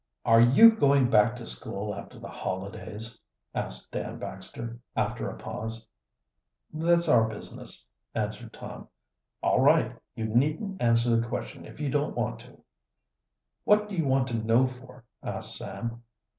"Are you going back to school after the holidays?" asked Dan Baxter, after a pause. "That's our business," answered Tom. "All right; you needn't answer the question if you don't want to." "What do you want to know for?" asked Sam.